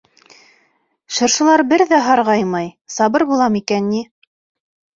Шыршылар бер ҙә һарғаймай, Сабыр була микән ни?